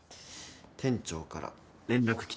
店長から連絡来た。